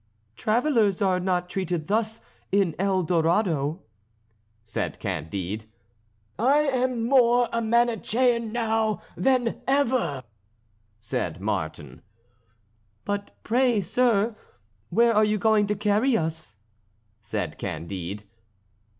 "Travellers are not treated thus in El Dorado," said Candide. "I am more a Manichean now than ever," said Martin. "But pray, sir, where are you going to carry us?" said Candide.